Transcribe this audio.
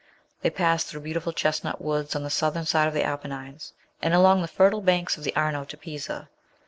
They pass through beautiful chestnut woods on the southern side of the Apennines, and along the fertile banks of the Arno to Pisa.